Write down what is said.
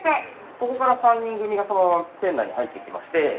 ここから３人組がそのまま店内に入ってきまして。